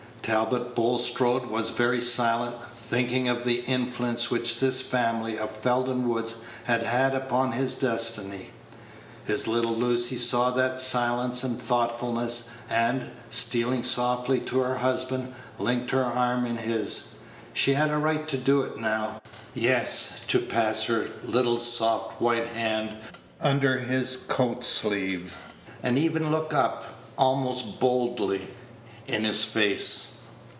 Talbot Bulstrode was very silent, thinking of the influence which this family of Felden Woods had had upon his destiny. His little Lucy saw that silence and thoughtfulness, and, stealing softly to her husband, linked her arm in his. She had a right to do it now yes, to pass her little soft white hand under his coat sleeve, and even look up, almost boldly, in his face.